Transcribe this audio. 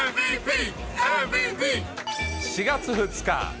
４月２日。